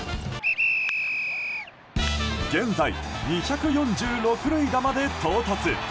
現在２４６塁打まで到達。